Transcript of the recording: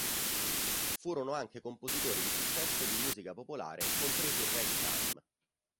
Furono anche compositori di successo di musica popolare, compreso il ragtime.